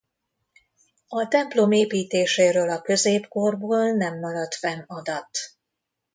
A templom építéséről a középkorból nem maradt fenn adat.